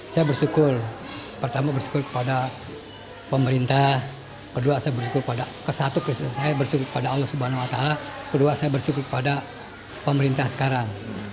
saya bersyukur pertama bersyukur kepada pemerintah kedua saya bersyukur pada allah swt kedua saya bersyukur kepada pemerintah sekarang